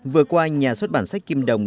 vừa qua nhà xuất bản sách kim đồng